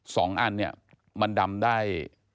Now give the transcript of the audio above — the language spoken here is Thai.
สองอันเนี่ยมันดำได้